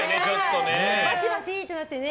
バチバチ！ってなってね。